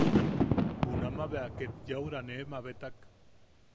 Juna bea ket yaʼura nee mabetak.